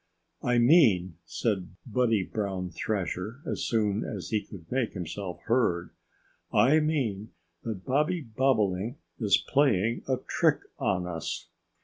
"I mean," said Buddy Brown Thrasher, as soon as he could make himself heard, "I mean that Bobby Bobolink is playing a trick on us.